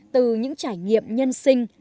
từ những trải nghiệm nhân sinh